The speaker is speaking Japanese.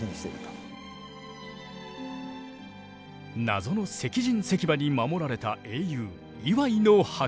謎の石人石馬に守られた英雄磐井の墓。